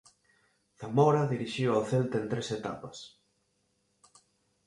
Zamora dirixiu ao Celta en tres etapas.